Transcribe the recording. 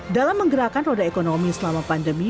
dalam menggerakkan roda ekonomi selama pandemi